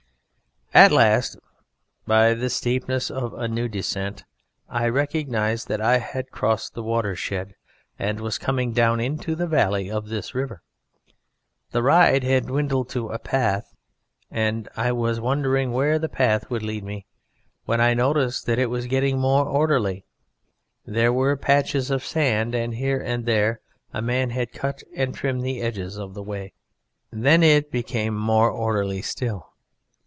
"At last by the steepness of a new descent I recognized that I had crossed the watershed and was coming down into the valley of this river. The ride had dwindled to a path, and I was wondering where the path would lead me when I noticed that it was getting more orderly: there were patches of sand, and here and there a man had cut and trimmed the edges of the way. Then it became more orderly still.